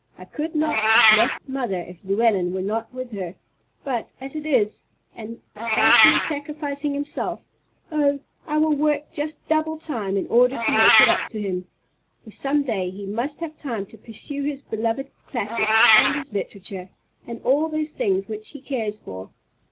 "I could not have left mother if Llewellyn were not with her; but, as it is, and as he is sacrificing himself, oh! I will work just double time in order to make it up to him. For some day he must have time to pursue his beloved classics, and his literature, and all those things which he cares for.